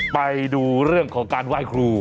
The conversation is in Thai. ไปดูเรื่องของการไหว้ครู